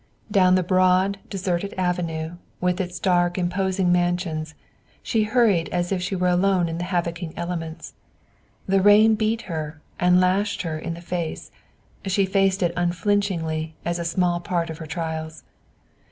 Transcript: Down the broad, deserted avenue, with its dark, imposing mansions, she hurried as if she were alone in the havocking elements. The rain beat her and lashed her in the face; she faced it unflinchingly as a small part of her trials.